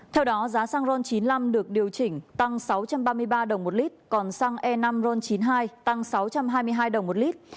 theo đó giá xăng ron chín mươi năm được điều chỉnh tăng sáu trăm ba mươi ba đồng một lít còn xăng e năm ron chín mươi hai tăng sáu trăm hai mươi hai đồng một lít